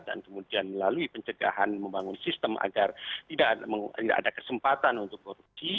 dan kemudian melalui pencegahan membangun sistem agar tidak ada kesempatan untuk korupsi